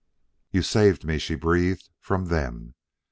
"You saved me," she breathed, "from them!"